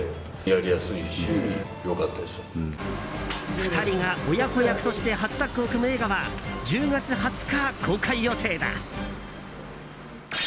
２人が親子役として初タッグを組む映画は１０月２０日公開予定だ。